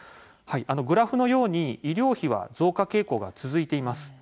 グラフのように医療費は増加傾向が続いています。